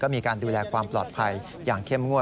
มีการดูแลความปลอดภัยอย่างเข้มงวด